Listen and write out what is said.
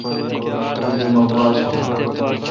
تی پہ مہ گواؙ تھم۔